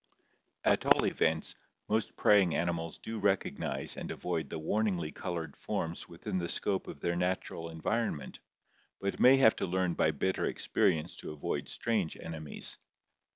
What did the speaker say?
At all events, most prey ing animals do recognize and avoid the warningly colored forms within the scope of their natural environment, but may have to learn by bitter experience to avoid strange enemies.